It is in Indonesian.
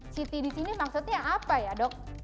siti disini maksudnya apa ya dok